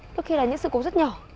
đôi khi là những sự cố rất nhỏ